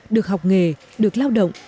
được học nghề được lao động